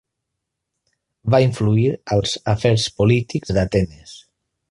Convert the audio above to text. Va influir als afers polítics d'Atenes.